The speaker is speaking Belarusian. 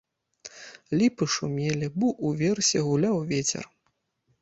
Ліпы шумелі, бо ўверсе гуляў вецер.